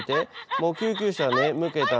もう救急車ね向けたんで。